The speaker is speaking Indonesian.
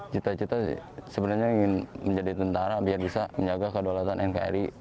cita cita sebenarnya ingin menjadi tentara biar bisa menjaga kedaulatan nkri